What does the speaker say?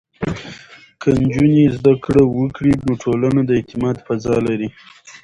که نجونې زده کړه وکړي، نو ټولنه د اعتماد فضا لري.